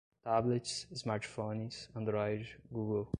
tablets, smartphones, android, google